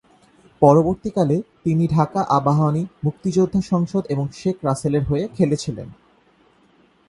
পরবর্তীকালে, তিনি ঢাকা আবাহনী, মুক্তিযোদ্ধা সংসদ এবং শেখ রাসেলের হয়ে খেলেছিলেন।